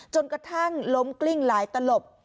จนกระทั่งล้มกลิ้งหลายตลบ